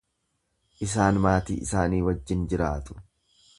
Isaan maatii isaanii wajjiin jiraatu.